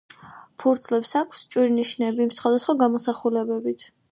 ფურცლებს აქვს ჭვირნიშნები სხვადასხვა გამოსახულებებით.